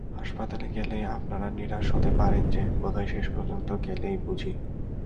হাসপাতালে গেলে আপনারা নিরাশ হতে পারেন যে, বোধহয় শেষ পর্যন্ত গেলই বুঝি।